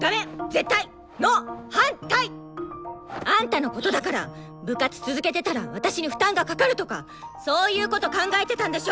反対！あんたのことだから部活続けてたら私に負担がかかるとかそういうこと考えてたんでしょ！？